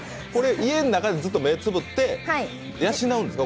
家の中でずっと目をつむって養うんですか？